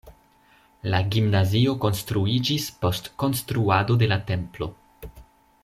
La gimnazio konstruiĝis post konstruado de la templo.